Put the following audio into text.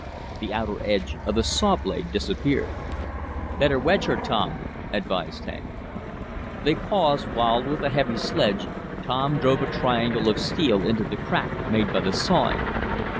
The outer edge of the saw blade disappeared. "Better wedge her, Tom," advised Hank. They paused while, with a heavy sledge, Tom drove a triangle of steel into the crack made by the sawing.